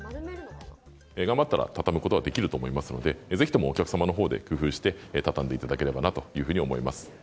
頑張ったら畳むことができると思いますので、ぜひともお客様のほうで工夫して、畳んでいただければなというふうに思います。